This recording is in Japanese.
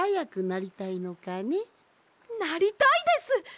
なりたいです！